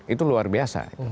itu luar biasa